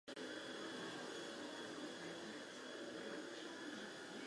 He is considered one of the most prominent short story writer in Sudan.